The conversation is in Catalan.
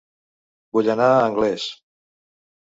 Vull anar a Anglès